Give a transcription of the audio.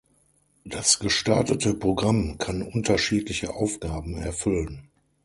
Das gestartete Programm kann unterschiedliche Aufgaben erfüllen.